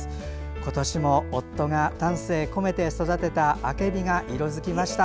今年も夫が丹精込めて育てたアケビが色づきました。